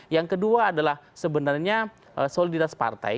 yang kedua adalah sebenarnya soliditas partai